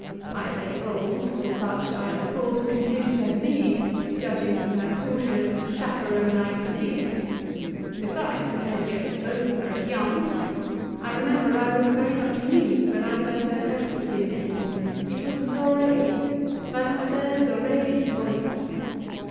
I say old, for such I, of course, concluded her to be, judging from her cautious, chaperon like proceedings; besides, nobody ever spoke of her as young. I remember I was very much amused when I first heard her Christian name; it was Zoraide Mademoiselle Zoraide Reuter.